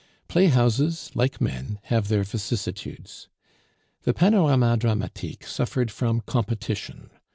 Play houses, like men, have their vicissitudes. The Panorama Dramatique suffered from competition.